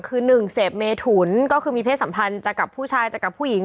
คือหนึ่งเสพเมถุนก็คือมีเพศสัมพันธ์จากกับผู้ชายจากกับผู้หญิง